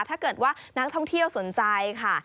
ถ้าเกิดว่านักท่องเที่ยวสนใจค่ะ